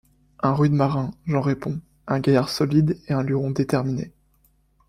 Un rude marin, j’en réponds, un gaillard solide et un luron déterminé.